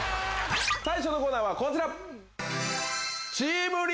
最初のコーナーはこちら！